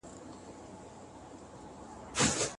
نقيب پاگل دي د غم شونډې پر سکروټو ايښي